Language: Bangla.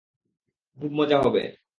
খুব মজা হবে।